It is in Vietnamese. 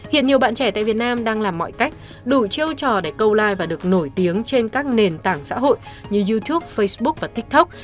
hiện nhiều bạn trẻ tại việt nam đang làm mọi cách đủ chiêu trò để câu like và được nổi tiếng trên các nền tảng xã hội như youtube facebook và tiktok